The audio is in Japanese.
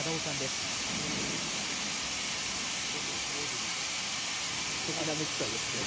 すてきなネクタイですね。